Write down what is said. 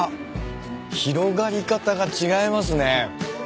広がり方が違いますね。